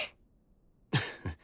フフッ。